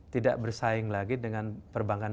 tidak bersaing lagi dengan perbankan